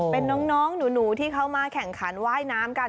เป็นน้องหนูที่เข้ามาแข่งขันว่ายน้ำกัน